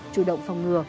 chủ động phòng ngừa